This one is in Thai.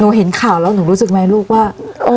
เห็นข่าวแล้วหนูรู้สึกไหมลูกว่า